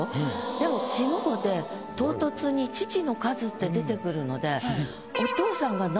でも下五で唐突に「父の数」って出てくるのではははっ。